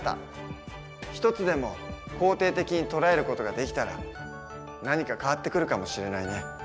一つでも肯定的に捉える事ができたら何か変わってくるかもしれないね。